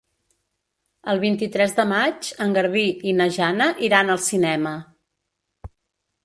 El vint-i-tres de maig en Garbí i na Jana iran al cinema.